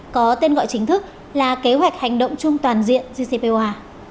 có tên gọi chính thức là kế hoạch hành động trung toàn diện jcpoa